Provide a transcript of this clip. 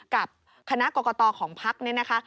กับคณะกรกตของพักเนี่ยนะคะ